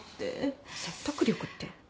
説得力って。